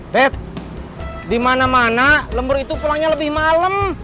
bet di mana mana lemur itu pulangnya lebih malem